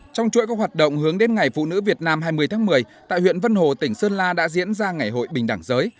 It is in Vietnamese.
trong chuỗi các hoạt động hướng đến ngày phụ nữ việt nam hai mươi tháng một mươi tại huyện vân hồ tỉnh sơn la đã diễn ra ngày hội bình đẳng giới